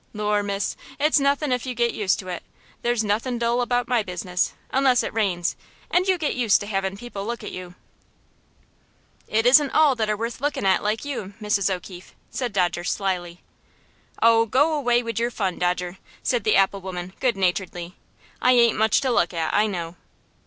"Lor', miss, it's nothin' if you get used to it. There's nothin' dull about my business, unless it rains, and you get used to havin' people look at you." "It isn't all that are worth looking at like you, Mrs. O'Keefe," said Dodger, slyly. "Oh, go away wid your fun, Dodger," said the apple woman, good naturedly. "I ain't much to look at, I know."